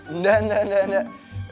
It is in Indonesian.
enggak enggak enggak